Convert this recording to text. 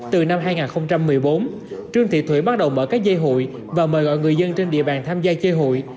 từ năm hai nghìn một mươi bốn trương thị thủy bắt đầu mở các dây hụi và mời gọi người dân trên địa bàn tham gia chơi hụi